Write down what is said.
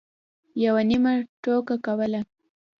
یوه نیمه ټوکه کوله.